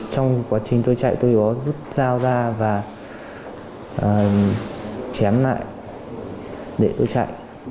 trong quá trình tôi chạy tôi có rút dao ra và chém lại để tôi chạy